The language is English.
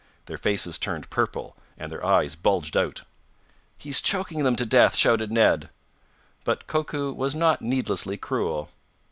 Their faces turned purple, and their eyes bulged out. "He's choking them to death!" shouted Ned. But Koku was not needlessly cruel.